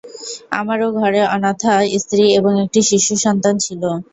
আমারও ঘরে অনাথা স্ত্রী এবং একটি শিশুসন্তান ছিল।